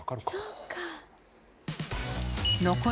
そっか。